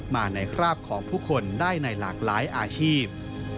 มาในคราบของผู้คนได้ในหลากหลายอาชีพ